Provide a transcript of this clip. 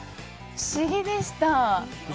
不思議でした。